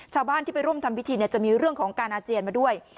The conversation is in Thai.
ชาวบ้านที่ไปร่วมทำพิธีจะมีเรื่องของการอาเจียนมาด้วย